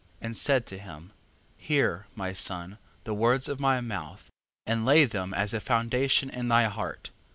And said to him: Hear, my son, the words of my mouth, and lay them as a foundation in thy heart.